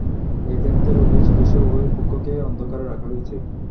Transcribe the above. এ ক্ষেত্রে রোগী ও চিকিৎসক উভয় পক্ষকেই অন্ধকারে রাখা হয়েছে।